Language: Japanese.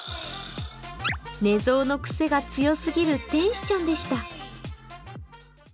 寝相のくせが強すぎる天使ちゃんでした。